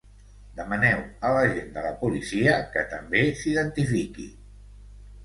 Demaneu a l’agent de la policia que també s’identifiqui.